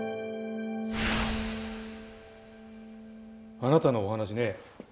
あなたのお話ね